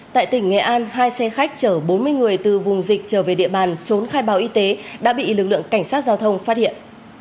tại tỉnh nghệ an hai xe khách chở bốn mươi người từ vùng dịch trở về địa bàn trốn khai báo y tế đã bị lực lượng cảnh sát giao thông phát hiện